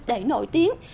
để nổi tiếng